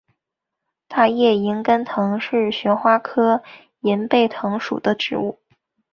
大叶银背藤是旋花科银背藤属的植物。